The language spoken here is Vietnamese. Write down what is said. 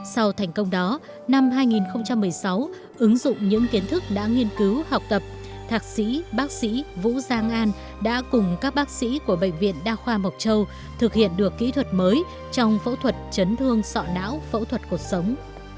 sau thành công đó năm hai nghìn một mươi sáu ứng dụng những kiến thức đã nghiên cứu học tập thạc sĩ bác sĩ vũ giang an đã cùng các bác sĩ của bệnh viện đa khoa mộc châu thực hiện được kỹ thuật mới trong phẫu thuật chấn thương sọ não phẫu thuật cuộc sống